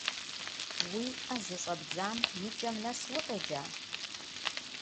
Уи ӏэ зыщӏэбдзам и кӏэм нэс укъеджа?